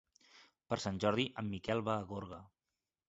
Per Sant Jordi en Miquel va a Gorga.